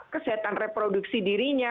kesehatan reproduksi dirinya